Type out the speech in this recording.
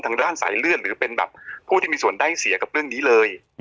ทางด้านสายเลือดหรือเป็นแบบผู้ที่มีส่วนได้เสียกับเรื่องนี้เลย